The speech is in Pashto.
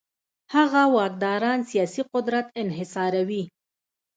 هغه واکداران سیاسي قدرت انحصاروي.